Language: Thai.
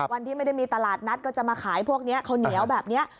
วันที่ไม่ได้มีตลาดนัดก็จะมาขายพวกนี้ข้าวเหนียวแบบนี้